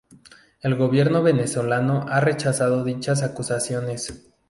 El gobierno venezolano ha rechazado dichas acusaciones.